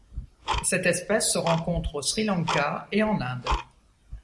Cette espèce se rencontre au Sri Lanka et en Inde.